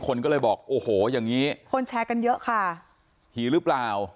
คนก็เลยบอกโอ้โหอย่างงี้คนแชร์กันเยอะค่ะผีหรือเปล่า